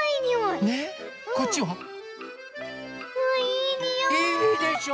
いいでしょ？